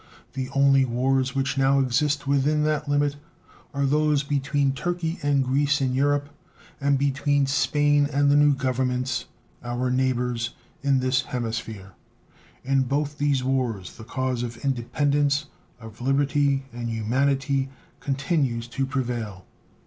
The only wars which now exist within that limit are those between Turkey and Greece, in Europe, and between Spain and the new Governments, our neighbors, in this hemisphere. In both these wars the cause of independence, of liberty and humanity, continues to prevail.